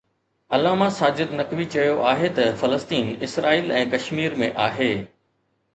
علامه ساجد نقوي چيو آهي ته فلسطين اسرائيل ۽ ڪشمير ۾ آهي